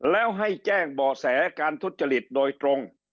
แล้วให้แจ้งเบาะแสการทุจริตโดยตรง